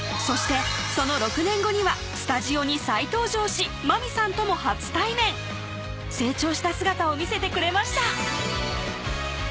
そしてその６年後にはスタジオに再登場しまみさんとも初対面成長した姿を見せてくれました